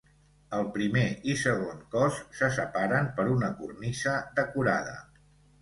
El primer i segon cos se separen per una cornisa decorada.